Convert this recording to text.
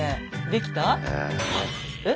できた？え？